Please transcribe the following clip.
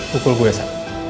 pukul gue sa